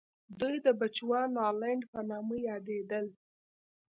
دوی د بچوانالنډ په نامه یادېدل.